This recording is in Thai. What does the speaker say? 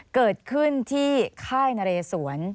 เกิดขึ้นที่ค่ายนเรสวน